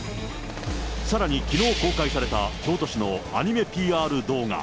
さらにきのう公開された京都市のアニメＰＲ動画。